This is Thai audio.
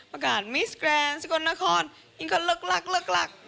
ประกาศมิสแกรนด์สกลนครอิงก็ลึกลัก